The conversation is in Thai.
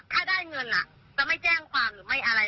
ถ้าได้เงินจะไม่แจ้งความหรือไม่อะไร